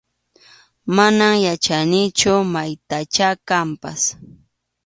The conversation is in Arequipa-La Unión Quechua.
Mana yachanichu maytachá kanpas.